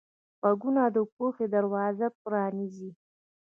غوږونه د پوهې دروازه پرانیزي